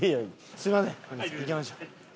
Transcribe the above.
すみません行きましょう。